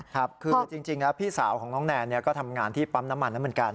ครับคือจริงแล้วพี่สาวของน้องแนนก็ทำงานที่ปั๊มน้ำมันแล้วเหมือนกัน